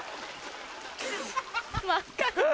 真っ赤だ。